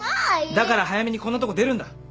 だから早めにこんなとこ出るんだ。